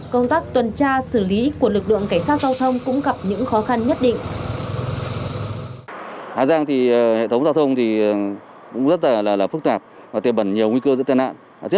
công tác tuần tra xử lý của lực lượng cảnh sát giao thông cũng gặp những khó khăn nhất định